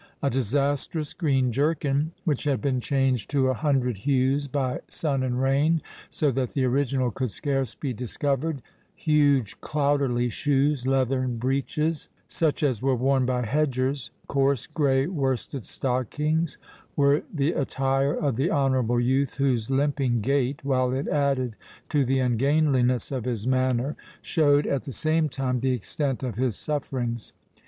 A disastrous green jerkin, which had been changed to a hundred hues by sun and rain, so that the original could scarce be discovered, huge clouterly shoes, leathern breeches—such as were worn by hedgers—coarse grey worsted stockings, were the attire of the honourable youth, whose limping gait, while it added to the ungainliness of his manner, showed, at the same time, the extent of his sufferings.